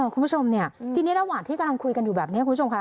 คุณผู้ชมเนี่ยทีนี้ระหว่างที่กำลังคุยกันอยู่แบบนี้คุณผู้ชมค่ะ